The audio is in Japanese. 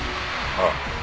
ああ。